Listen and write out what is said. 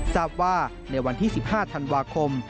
ทราบว่าในวันที่๑๕ธันวาคม